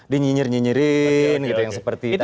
dinyinyir nyinyirin gitu yang seperti itu